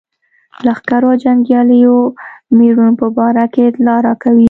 لښکرو او جنګیالیو مېړنو په باره کې اطلاع راکوي.